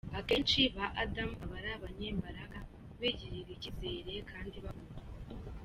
Akenshi ba Adam aba ari abanyembaraga, bigirira icyizere kandi bakundwa.